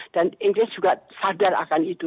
dan inggris juga sadar akan itu